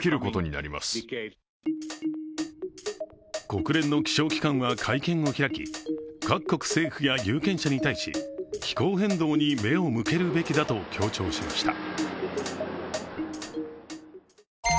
国連の気象機関は会見を開き、各国政府や有権者に対し、気候変動に目を向けるべきだと強調しました。